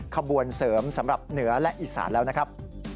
ขบวนเสริมสำหรับเหนือและอีสานแล้วนะครับ